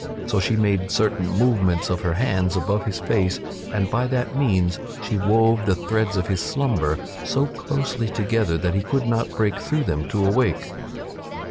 So she made certain movements of her hands above his face and by that means she wove the threads of his slumber so closely together that he could not break through them to awake.